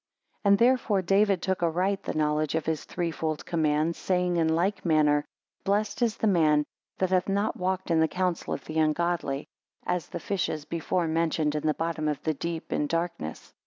11 And therefore David took aright the knowledge of his three fold command, saying in like manner: 12 Blessed is the man that hath not walked in the counsel of the ungodly; as the fishes before mentioned in the bottom of the deep, in darkness.